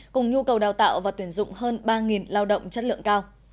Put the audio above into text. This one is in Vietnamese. cùng nhu cầu đào tạo và tuyển dụng hơn ba lao động chất lượng cao